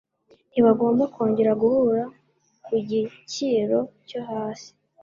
Ntibagomba kongera guhura ku gicyiro cyo hasi.